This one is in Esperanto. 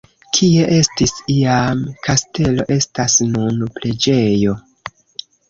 Kie estis iam kastelo estas nun preĝejo.